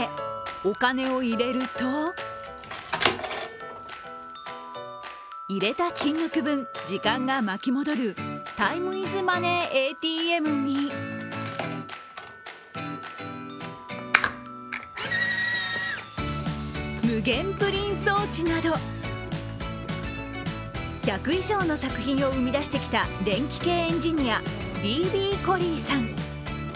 お金を入れると入れた金額分、時間が巻き戻るタイムｉｓマネーＡＴＭに無限プリン装置など１００以上の作品を生み出してきた電気系エンジニア、ＢＢコリーさん。